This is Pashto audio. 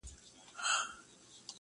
o ړوند رڼا نه پېژني٫